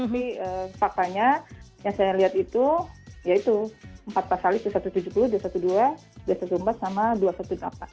tapi faktanya yang saya lihat itu yaitu empat pasal itu satu ratus tujuh puluh dua ratus dua belas dua ratus dua belas sama dua ratus delapan belas